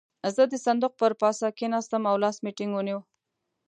زه د صندوق پر پاسه کېناستم او لاس مې ټينګ ونيو.